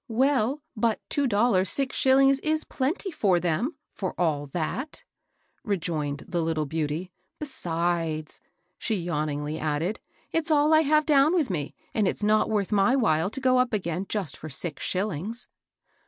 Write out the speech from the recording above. " Well, but two dollars six shillings is plenty for them, for all that," rejoined the little beauty. " Besides,'' she yawningly added, " it's all I have down with me, and it's not worth my while to go up again just for six shillings."